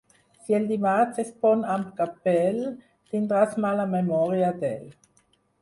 Si el dimarts es pon amb capell, tindràs mala memòria d'ell.